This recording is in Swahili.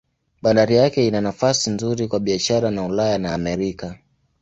Bandari yake ina nafasi nzuri kwa biashara na Ulaya na Amerika.